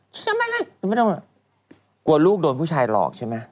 ก็ไม่นั่นไม่ต้องกลัวลูกโดนผู้ชายหลอกใช่ไหม